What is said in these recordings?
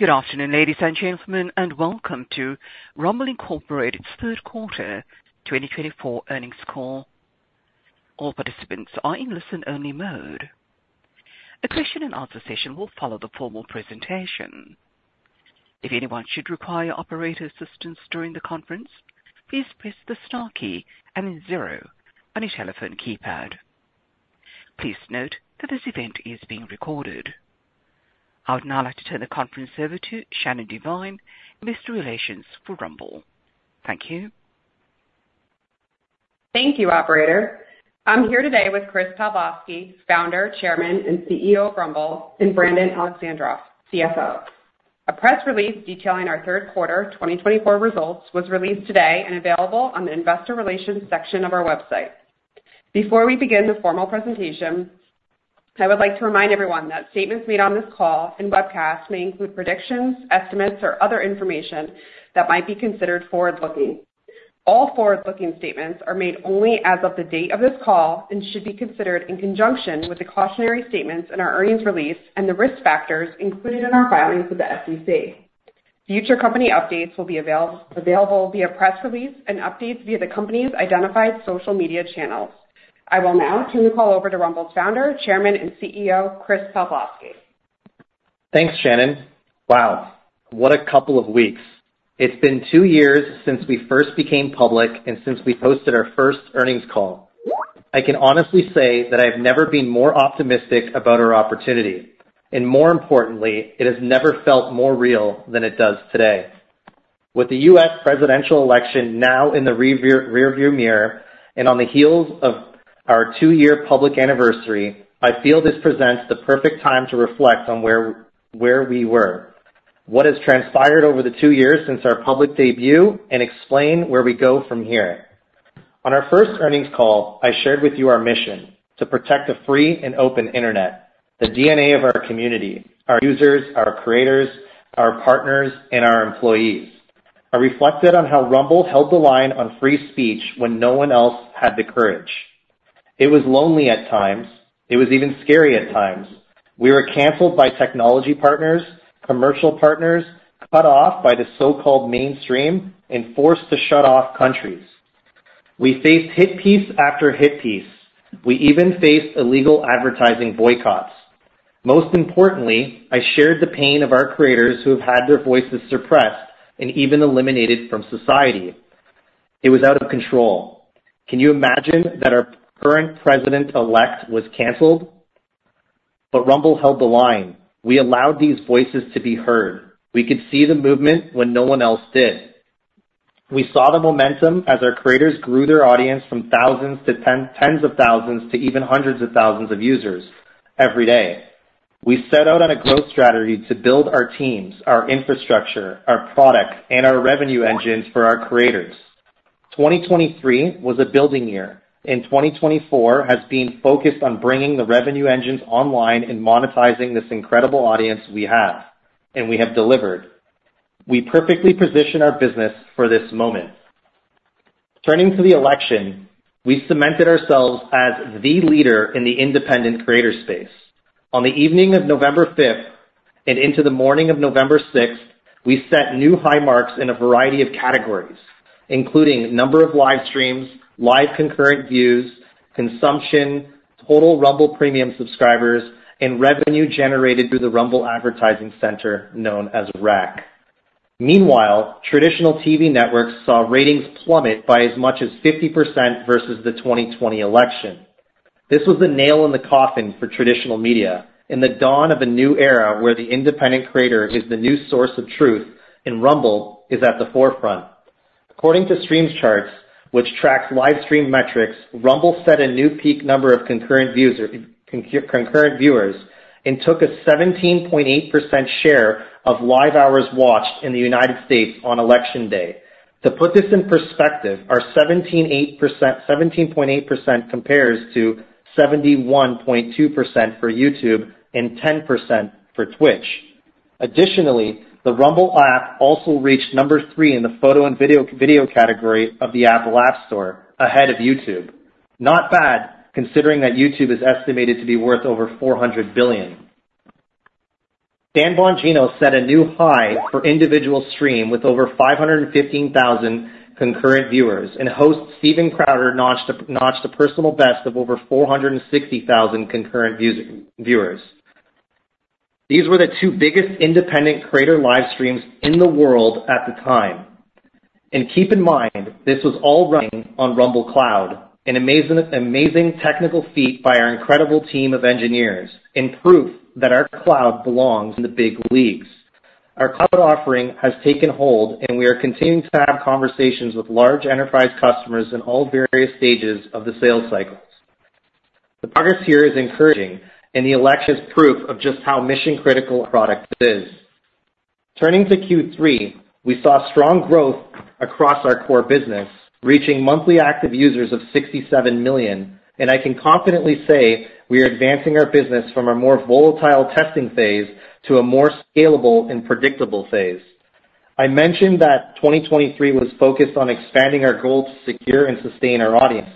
Good afternoon, ladies and gentlemen, and welcome to Rumble Incorporated's Third Quarter 2024 earnings call. All participants are in listen-only mode. A question-and-answer session will follow the formal presentation. If anyone should require operator assistance during the conference, please press the star key and then zero on your telephone keypad. Please note that this event is being recorded. I would now like to turn the conference over to Shannon Devine, Investor Relations for Rumble. Thank you. Thank you, Operator. I'm here today with Chris Pavlovski, Founder, Chairman, and CEO of Rumble, and Brandon Alexandroff, CFO. A press release detailing our Third Quarter 2024 results was released today and available on the Investor Relations section of our website. Before we begin the formal presentation, I would like to remind everyone that statements made on this call and webcast may include predictions, estimates, or other information that might be considered forward-looking. All forward-looking statements are made only as of the date of this call and should be considered in conjunction with the cautionary statements in our earnings release and the risk factors included in our filings with the SEC. Future company updates will be available via press release and updates via the company's identified social media channels. I will now turn the call over to Rumble's Founder, Chairman, and CEO, Chris Pavlovski. Thanks, Shannon. Wow, what a couple of weeks. It's been two years since we first became public and since we posted our first earnings call. I can honestly say that I have never been more optimistic about our opportunity, and more importantly, it has never felt more real than it does today. With the U.S. presidential election now in the rearview mirror and on the heels of our two-year public anniversary, I feel this presents the perfect time to reflect on where we were, what has transpired over the two years since our public debut, and explain where we go from here. On our first earnings call, I shared with you our mission: to protect a free and open internet, the DNA of our community, our users, our creators, our partners, and our employees. I reflected on how Rumble held the line on free speech when no one else had the courage. It was lonely at times. It was even scary at times. We were canceled by technology partners, commercial partners, cut off by the so-called mainstream, and forced to shut off countries. We faced hit piece after hit piece. We even faced illegal advertising boycotts. Most importantly, I shared the pain of our creators who have had their voices suppressed and even eliminated from society. It was out of control. Can you imagine that our current president-elect was canceled? But Rumble held the line. We allowed these voices to be heard. We could see the movement when no one else did. We saw the momentum as our creators grew their audience from thousands to tens of thousands to even hundreds of thousands of users every day. We set out on a growth strategy to build our teams, our infrastructure, our product, and our revenue engines for our creators. 2023 was a building year, and 2024 has been focused on bringing the revenue engines online and monetizing this incredible audience we have, and we have delivered. We perfectly position our business for this moment. Turning to the election, we cemented ourselves as the leader in the independent creator space. On the evening of November 5th and into the morning of November 6th, we set new high marks in a variety of categories, including number of live streams, live concurrent views, consumption, total Rumble Premium subscribers, and revenue generated through the Rumble Advertising Center, known as RAC. Meanwhile, traditional TV networks saw ratings plummet by as much as 50% versus the 2020 election. This was the nail in the coffin for traditional media in the dawn of a new era where the independent creator is the new source of truth, and Rumble is at the forefront. According to StreamCharts, which tracks live stream metrics, Rumble set a new peak number of concurrent viewers and took a 17.8% share of live hours watched in the United States on election day. To put this in perspective, our 17.8% compares to 71.2% for YouTube and 10% for Twitch. Additionally, the Rumble app also reached number three in the photo and video category of the Apple App Store, ahead of YouTube. Not bad, considering that YouTube is estimated to be worth over $400 billion. Dan Bongino set a new high for individual stream with over 515,000 concurrent viewers, and host Stephen Crowder notched a personal best of over 460,000 concurrent viewers. These were the two biggest independent creator live streams in the world at the time. And keep in mind, this was all running on Rumble Cloud, an amazing technical feat by our incredible team of engineers and proof that our cloud belongs in the big leagues. Our cloud offering has taken hold, and we are continuing to have conversations with large enterprise customers in all various stages of the sales cycle. The progress here is encouraging, and the election is proof of just how mission-critical our product is. Turning to Q3, we saw strong growth across our core business, reaching monthly active users of 67 million, and I can confidently say we are advancing our business from a more volatile testing phase to a more scalable and predictable phase. I mentioned that 2023 was focused on expanding our goal to secure and sustain our audience.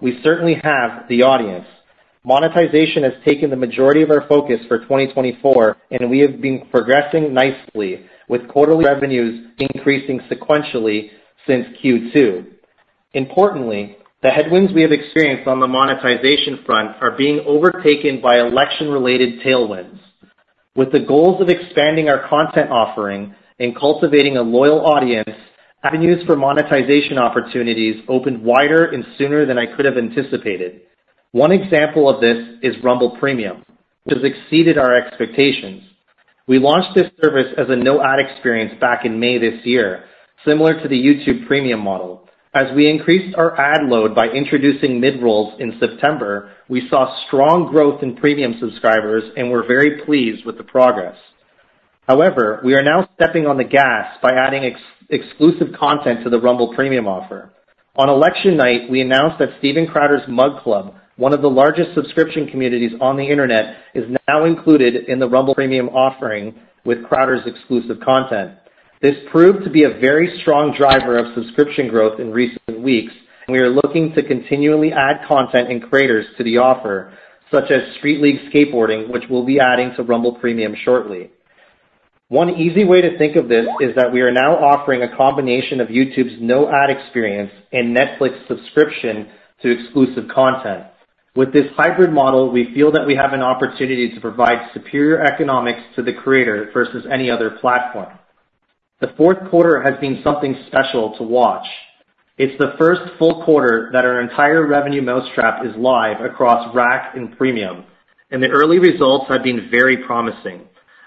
We certainly have the audience. Monetization has taken the majority of our focus for 2024, and we have been progressing nicely, with quarterly revenues increasing sequentially since Q2. Importantly, the headwinds we have experienced on the monetization front are being overtaken by election-related tailwinds. With the goals of expanding our content offering and cultivating a loyal audience, avenues for monetization opportunities opened wider and sooner than I could have anticipated. One example of this is Rumble Premium, which has exceeded our expectations. We launched this service as a no-ad experience back in May this year, similar to the YouTube Premium model. As we increased our ad load by introducing mid-rolls in September, we saw strong growth in Premium subscribers and were very pleased with the progress. However, we are now stepping on the gas by adding exclusive content to the Rumble Premium offer. On election night, we announced that Stephen Crowder's Mug Club, one of the largest subscription communities on the internet, is now included in the Rumble Premium offering with Crowder's exclusive content. This proved to be a very strong driver of subscription growth in recent weeks, and we are looking to continually add content and creators to the offer, such as Street League Skateboarding, which we'll be adding to Rumble Premium shortly. One easy way to think of this is that we are now offering a combination of YouTube's no-ad experience and Netflix subscription to exclusive content. With this hybrid model, we feel that we have an opportunity to provide superior economics to the creator versus any other platform. The fourth quarter has been something special to watch. It's the first full quarter that our entire revenue mousetrap is live across RAC and Premium, and the early results have been very promising.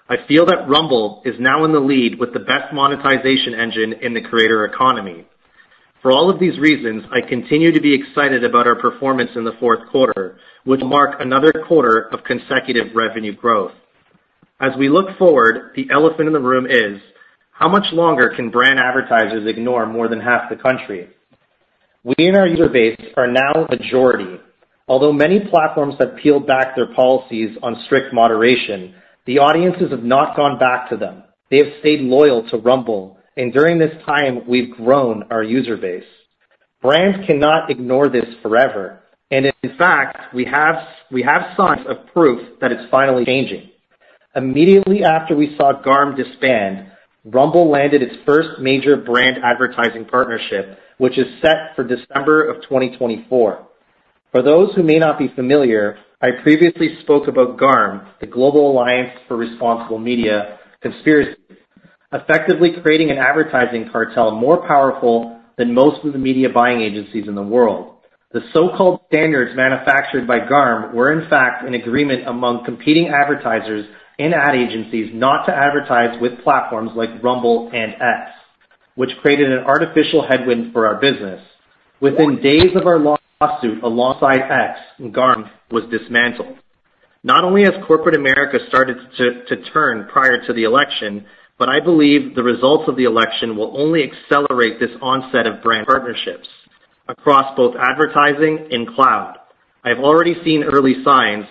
I feel that Rumble is now in the lead with the best monetization engine in the creator economy. For all of these reasons, I continue to be excited about our performance in the fourth quarter, which will mark another quarter of consecutive revenue growth. As we look forward, the elephant in the room is: how much longer can brand advertisers ignore more than half the country? We and our user base are now a majority. Although many platforms have peeled back their policies on strict moderation, the audiences have not gone back to them. They have stayed loyal to Rumble, and during this time, we've grown our user base. Brands cannot ignore this forever, and in fact, we have signs of proof that it's finally changing. Immediately after we saw GARM disband, Rumble landed its first major brand advertising partnership, which is set for December of 2024. For those who may not be familiar, I previously spoke about GARM, the Global Alliance for Responsible Media, effectively creating an advertising cartel more powerful than most of the media buying agencies in the world. The so-called standards manufactured by GARM were, in fact, an agreement among competing advertisers and ad agencies not to advertise with platforms like Rumble and X, which created an artificial headwind for our business. Within days of our lawsuit alongside X, GARM was dismantled. Not only has corporate America started to turn prior to the election, but I believe the results of the election will only accelerate this onset of brand partnerships across both advertising and cloud. I have already seen early signs,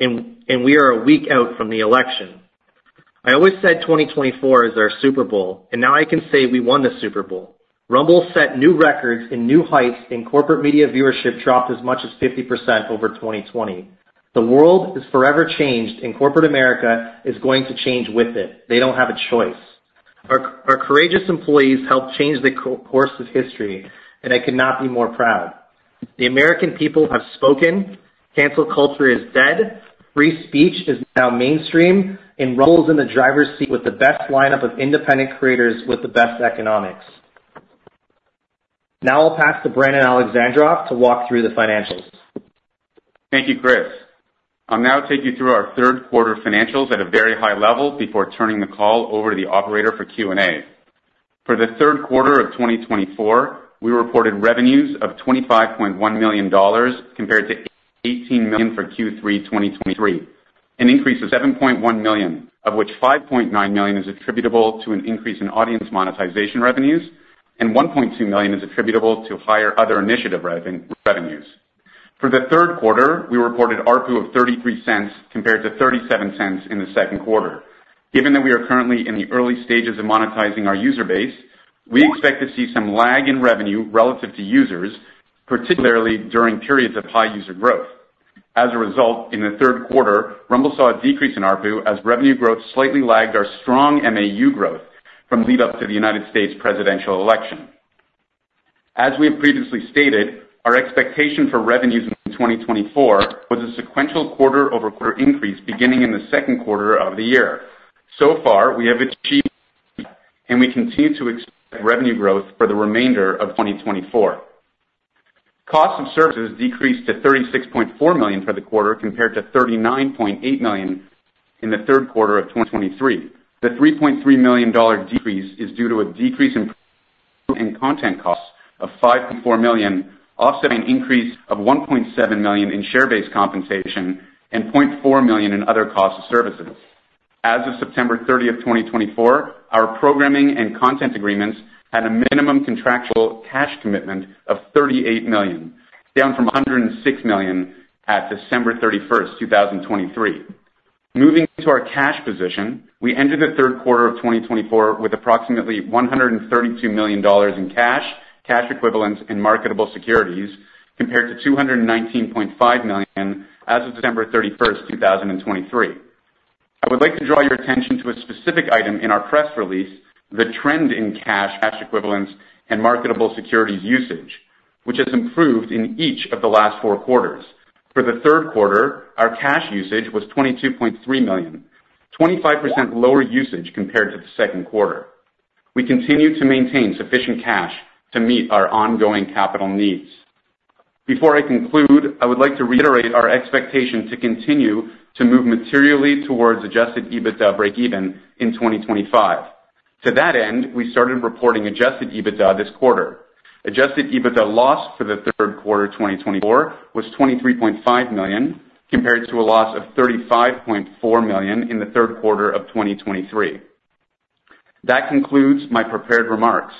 and we are a week out from the election. I always said 2024 is our Super Bowl, and now I can say we won the Super Bowl. Rumble set new records and new heights, and corporate media viewership dropped as much as 50% over 2020. The world is forever changed, and corporate America is going to change with it. They don't have a choice. Our courageous employees helped change the course of history, and I could not be more proud. The American people have spoken. Cancel culture is dead. Free speech is now mainstream, and Rumble is in the driver's seat with the best lineup of independent creators with the best economics. Now I'll pass to Brandon Alexandroff to walk through the financials. Thank you, Chris. I'll now take you through our third quarter financials at a very high level before turning the call over to the operator for Q&A. For the third quarter of 2024, we reported revenues of $25.1 million compared to $18 million for Q3 2023, an increase of $7.1 million, of which $5.9 million is attributable to an increase in audience monetization revenues, and $1.2 million is attributable to higher other initiative revenues. For the third quarter, we reported ARPU of $0.33 compared to $0.37 in the second quarter. Given that we are currently in the early stages of monetizing our user base, we expect to see some lag in revenue relative to users, particularly during periods of high user growth. As a result, in the third quarter, Rumble saw a decrease in ARPU as revenue growth slightly lagged our strong MAU growth from lead-up to the United States presidential election. As we have previously stated, our expectation for revenues in 2024 was a sequential quarter-over-quarter increase beginning in the second quarter of the year. So far, we have achieved, and we continue to expect revenue growth for the remainder of 2024. Cost of services decreased to $36.4 million for the quarter compared to $39.8 million in the third quarter of 2023. The $3.3 million decrease is due to a decrease in content costs of $5.4 million, offsetting an increase of $1.7 million in share-based compensation and $0.4 million in other costs of services. As of September 30th, 2024, our programming and content agreements had a minimum contractual cash commitment of $38 million, down from $106 million at December 31st, 2023. Moving to our cash position, we entered the third quarter of 2024 with approximately $132 million in cash, cash equivalents, and marketable securities compared to $219.5 million as of December 31st, 2023. I would like to draw your attention to a specific item in our press release, the trend in cash, cash equivalents, and marketable securities usage, which has improved in each of the last four quarters. For the third quarter, our cash usage was $22.3 million, 25% lower usage compared to the second quarter. We continue to maintain sufficient cash to meet our ongoing capital needs. Before I conclude, I would like to reiterate our expectation to continue to move materially towards adjusted EBITDA break-even in 2025. To that end, we started reporting adjusted EBITDA this quarter. Adjusted EBITDA loss for the third quarter of 2024 was $23.5 million compared to a loss of $35.4 million in the third quarter of 2023. That concludes my prepared remarks.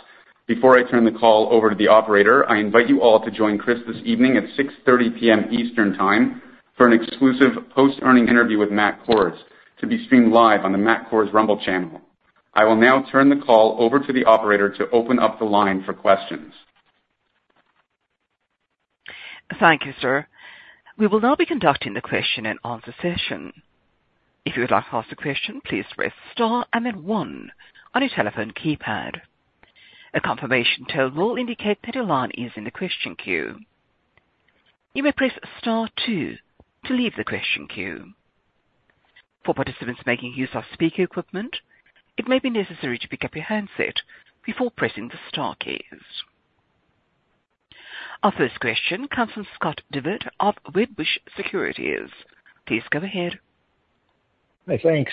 Before I turn the call over to the operator, I invite you all to join Chris this evening at 6:30 P.M. Eastern Time for an exclusive post-earnings interview with Matt Kohrs to be streamed live on the Matt Kohrs Rumble channel. I will now turn the call over to the operator to open up the line for questions. Thank you, sir. We will now be conducting the question-and-answer session. If you would like to ask a question, please press Star and then One on your telephone keypad. A confirmation tone will indicate that your line is in the question queue. You may press Star Two to leave the question queue. For participants making use of speaker equipment, it may be necessary to pick up your handset before pressing the Star keys. Our first question comes from Scott Devitt of Wedbush Securities. Please go ahead. Hey, thanks.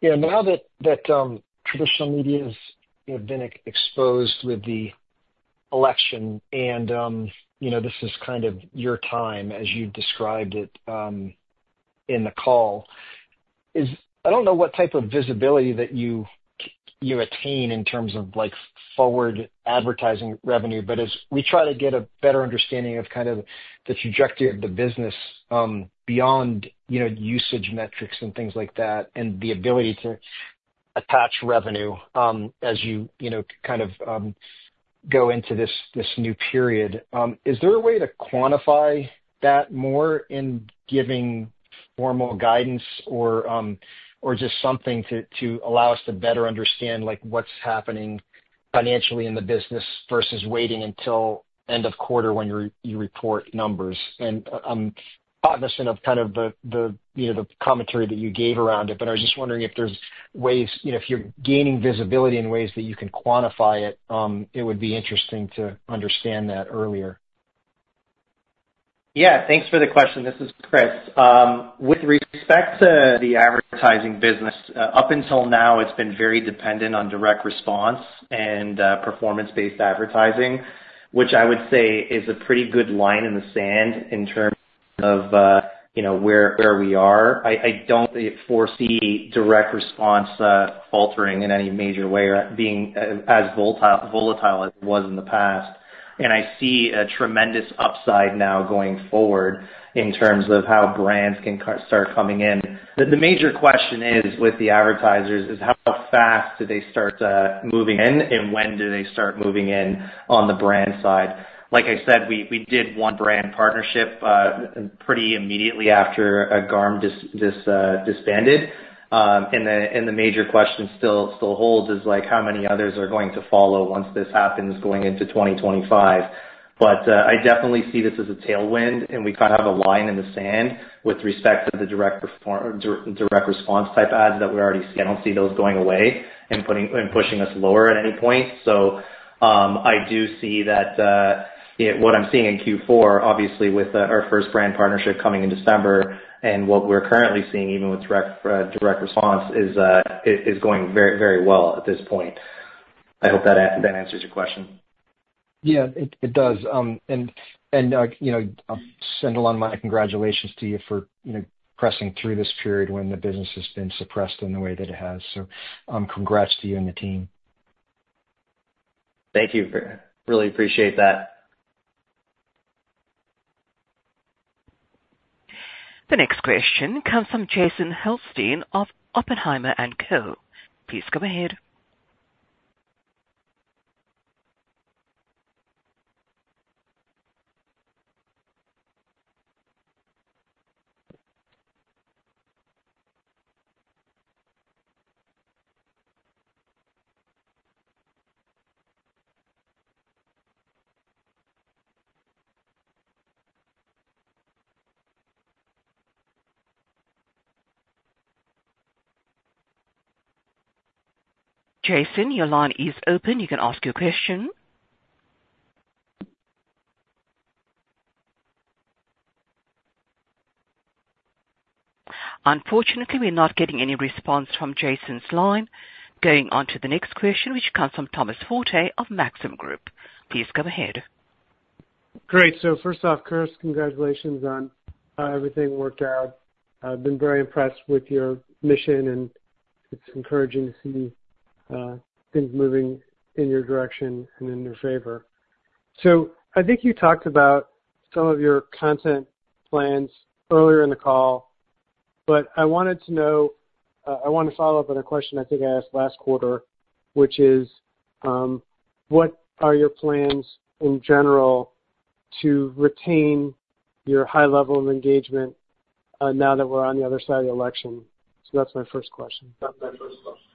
Yeah, now that traditional media has been exposed with the election, and this is kind of your time, as you described it in the call, I don't know what type of visibility that you attain in terms of forward advertising revenue, but as we try to get a better understanding of kind of the trajectory of the business beyond usage metrics and things like that, and the ability to attach revenue as you kind of go into this new period, is there a way to quantify that more in giving formal guidance or just something to allow us to better understand what's happening financially in the business versus waiting until end of quarter when you report numbers? I'm cognizant of kind of the commentary that you gave around it, but I was just wondering if there's ways, if you're gaining visibility in ways that you can quantify it, it would be interesting to understand that earlier. Yeah, thanks for the question. This is Chris. With respect to the advertising business, up until now, it's been very dependent on direct response and performance-based advertising, which I would say is a pretty good line in the sand in terms of where we are. I don't foresee direct response faltering in any major way or being as volatile as it was in the past, and I see a tremendous upside now going forward in terms of how brands can start coming in. The major question with the advertisers is how fast do they start moving in, and when do they start moving in on the brand side? Like I said, we did one brand partnership pretty immediately after GARM disbanded, and the major question still holds is how many others are going to follow once this happens going into 2025. But I definitely see this as a tailwind, and we kind of have a line in the sand with respect to the direct response type ads that we already see. I don't see those going away and pushing us lower at any point. So I do see that what I'm seeing in Q4, obviously with our first brand partnership coming in December, and what we're currently seeing even with direct response is going very well at this point. I hope that answers your question. Yeah, it does. And I'll send along my congratulations to you for pressing through this period when the business has been suppressed in the way that it has. So congrats to you and the team. Thank you. Really appreciate that. The next question comes from Jason Helfstein of Oppenheimer & Co. Please come ahead. Jason, your line is open. You can ask your question. Unfortunately, we're not getting any response from Jason's line. Going on to the next question, which comes from Thomas Forte of Maxim Group. Please come ahead. Great. So first off, Chris, congratulations on everything worked out. I've been very impressed with your mission, and it's encouraging to see things moving in your direction and in your favor. So I think you talked about some of your content plans earlier in the call, but I wanted to know, I want to follow up on a question I think I asked last quarter, which is: what are your plans in general to retain your high level of engagement now that we're on the other side of the election? So that's my first question. That's my first question.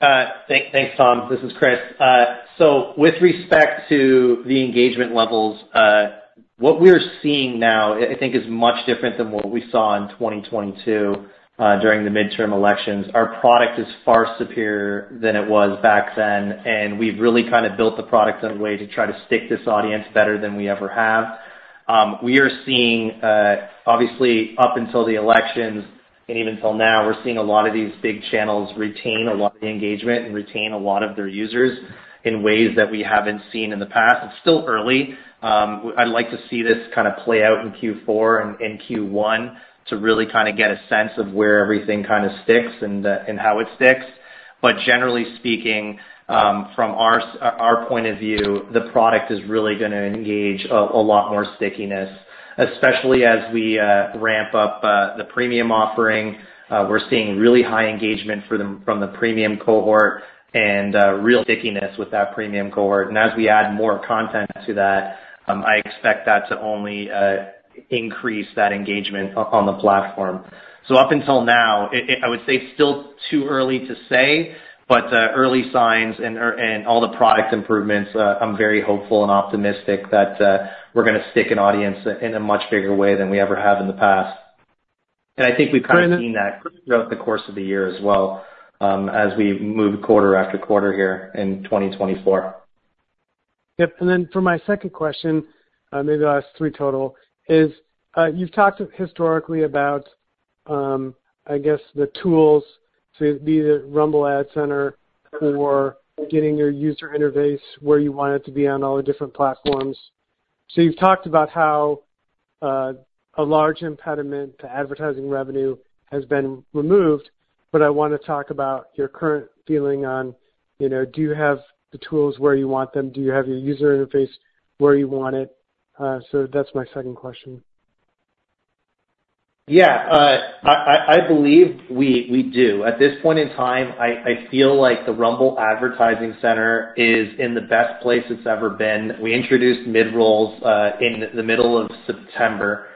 Thanks, Tom. This is Chris. So with respect to the engagement levels, what we're seeing now, I think, is much different than what we saw in 2022 during the midterm elections. Our product is far superior than it was back then, and we've really kind of built the product in a way to try to stick this audience better than we ever have. We are seeing, obviously, up until the elections and even until now, we're seeing a lot of these big channels retain a lot of the engagement and retain a lot of their users in ways that we haven't seen in the past. It's still early. I'd like to see this kind of play out in Q4 and Q1 to really kind of get a sense of where everything kind of sticks and how it sticks. But generally speaking, from our point of view, the product is really going to engage a lot more stickiness, especially as we ramp up the premium offering. We're seeing really high engagement from the premium cohort and real stickiness with that premium cohort. And as we add more content to that, I expect that to only increase that engagement on the platform. So up until now, I would say it's still too early to say, but early signs and all the product improvements, I'm very hopeful and optimistic that we're going to stick an audience in a much bigger way than we ever have in the past. And I think we've kind of seen that growth the course of the year as well as we move quarter after quarter here in 2024. Yep. And then for my second question, maybe the last three total, is you've talked historically about, I guess, the tools to be the Rumble Ad Center for getting your user interface where you want it to be on all the different platforms. So you've talked about how a large impediment to advertising revenue has been removed, but I want to talk about your current feeling on: do you have the tools where you want them? Do you have your user interface where you want it? So that's my second question. Yeah, I believe we do. At this point in time, I feel like the Rumble Advertising Center is in the best place it's ever been. We introduced mid-rolls in the middle of September,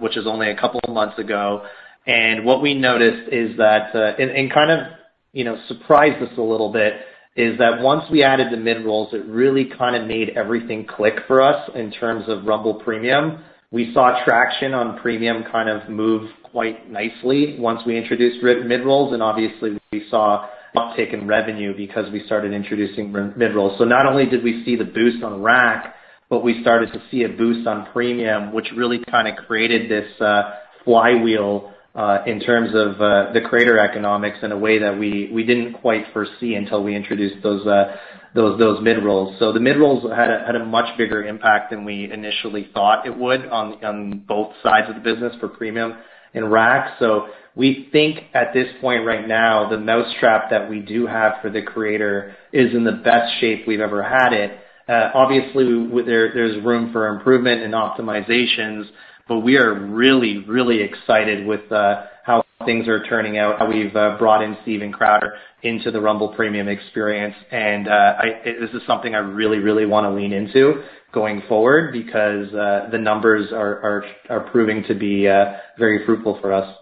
which is only a couple of months ago, and what we noticed is that—and kind of surprised us a little bit—is that once we added the mid-rolls, it really kind of made everything click for us in terms of Rumble Premium. We saw traction on Premium kind of move quite nicely once we introduced mid-rolls, and obviously, we saw an uptick in revenue because we started introducing mid-rolls, so not only did we see the boost on RAC, but we started to see a boost on Premium, which really kind of created this flywheel in terms of the creator economics in a way that we didn't quite foresee until we introduced those mid-rolls. So the mid-rolls had a much bigger impact than we initially thought it would on both sides of the business for Premium and RAC. So we think at this point right now, the mousetrap that we do have for the creator is in the best shape we've ever had it. Obviously, there's room for improvement and optimizations, but we are really, really excited with how things are turning out, how we've brought in Stephen Crowder into the Rumble Premium experience. And this is something I really, really want to lean into going forward because the numbers are proving to be very fruitful for us.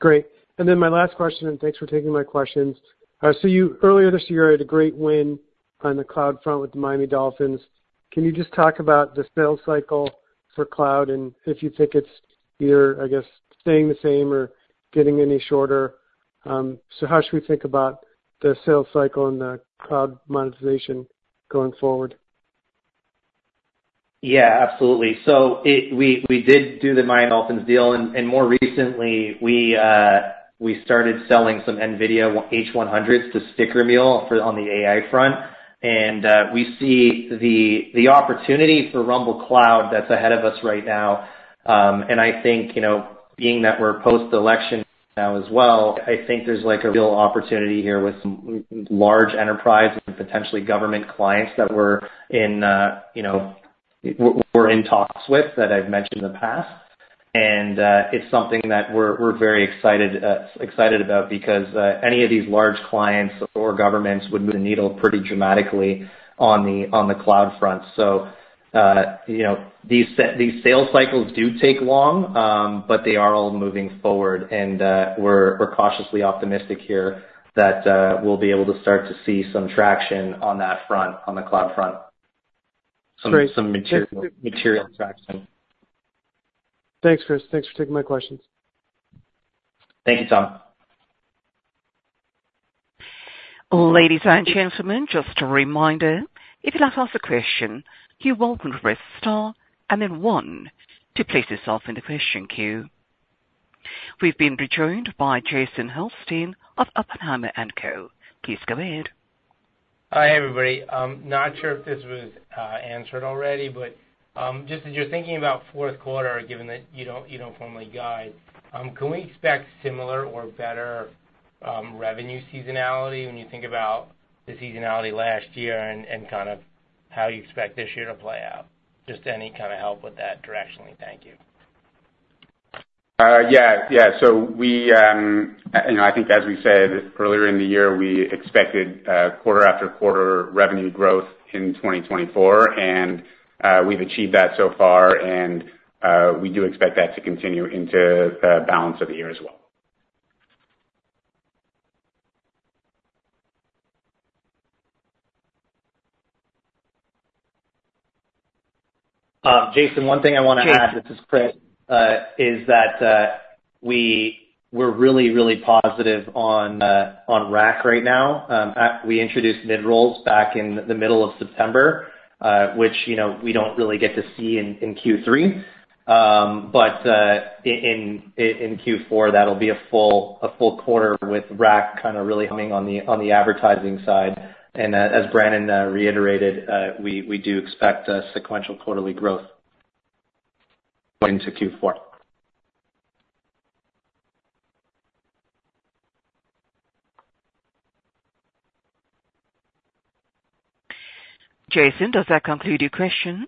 Great. And then my last question, and thanks for taking my questions. So earlier this year, you had a great win on the cloud front with the Miami Dolphins. Can you just talk about the sales cycle for cloud and if you think it's either, I guess, staying the same or getting any shorter? So how should we think about the sales cycle and the cloud monetization going forward? Yeah, absolutely. We did do the Miami Dolphins deal, and more recently, we started selling some NVIDIA H100s to Sticker Mule on the AI front. We see the opportunity for Rumble Cloud that's ahead of us right now. Being that we're post-election now as well, there's a real opportunity here with large enterprise and potentially government clients that we're in talks with that I've mentioned in the past. It's something that we're very excited about because any of these large clients or governments would move the needle pretty dramatically on the cloud front. These sales cycles do take long, but they are all moving forward. We're cautiously optimistic here that we'll be able to start to see some traction on that front, on the cloud front. Great. Some material traction. Thanks, Chris. Thanks for taking my questions. Thank you, Tom. Ladies and gentlemen, just a reminder, if you'd like to ask a question, you're welcome to press Star and then One to place yourself in the question queue. We've been joined by Jason Helfstein of Oppenheimer & Co. Please go ahead. Hi, everybody. I'm not sure if this was answered already, but just as you're thinking about fourth quarter, given that you don't formally guide, can we expect similar or better revenue seasonality when you think about the seasonality last year and kind of how you expect this year to play out? Just any kind of help with that directionally. Thank you. Yeah, yeah. So I think, as we said earlier in the year, we expected quarter after quarter revenue growth in 2024, and we've achieved that so far. And we do expect that to continue into the balance of the year as well. Jason, one thing I want to add, this is Chris, is that we're really, really positive on Rumble right now. We introduced mid-rolls back in the middle of September, which we don't really get to see in Q3. But in Q4, that'll be a full quarter with Rumble kind of really coming on the advertising side. And as Brandon reiterated, we do expect sequential quarterly growth into Q4. Jason, does that conclude your question?